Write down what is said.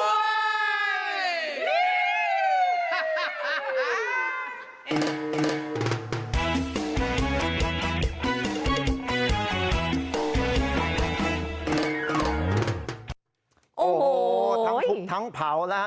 โอ้โหทั้งภูมิทั้งเผาแล้วค่ะ